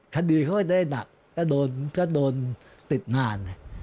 คดีเขาไม่ได้หนักก็โดนติดนาน